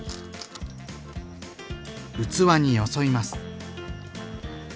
器によそいます。